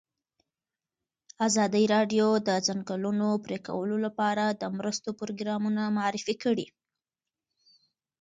ازادي راډیو د د ځنګلونو پرېکول لپاره د مرستو پروګرامونه معرفي کړي.